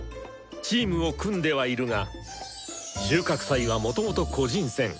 チームを組んではいるが収穫祭はもともと個人戦。